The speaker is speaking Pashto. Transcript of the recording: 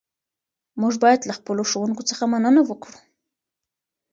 موږ باید له خپلو ښوونکو څخه مننه وکړو.